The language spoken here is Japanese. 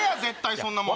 そんなもん。